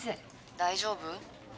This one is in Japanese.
大丈夫？